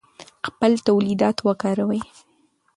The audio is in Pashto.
خپل تولیدات وکاروئ.